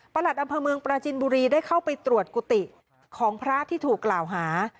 หลัดอำเภอเมืองปราจินบุรีได้เข้าไปตรวจกุฏิของพระที่ถูกกล่าวหา